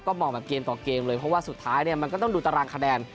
มองแบบเกมต่อเกมเลยเพราะว่าสุดท้ายเนี่ยมันก็ต้องดูตารางคะแนน